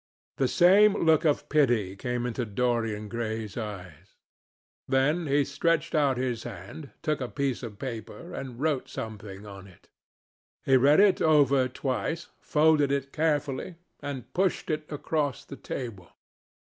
The same look of pity came into Dorian Gray's eyes. Then he stretched out his hand, took a piece of paper, and wrote something on it. He read it over twice, folded it carefully, and pushed it across the table.